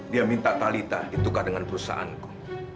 dia minta talita ditukar dengan perusahaanku